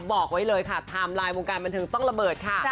บอกไว้เลยค่ะไทม์ไลน์วงการบันเทิงต้องระเบิดค่ะ